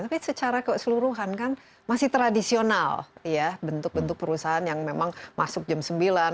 tapi secara keseluruhan kan masih tradisional ya bentuk bentuk perusahaan yang memang masuk jam sembilan